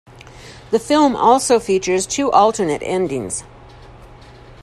The film also features two alternate endings.